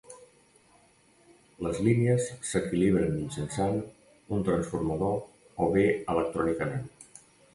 Les línies s'equilibren mitjançant un transformador o bé electrònicament.